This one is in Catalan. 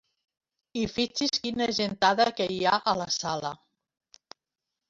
I fixi's quina gentada que hi ha a la sala!